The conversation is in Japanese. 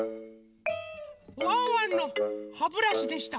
ワンワンのハブラシでした。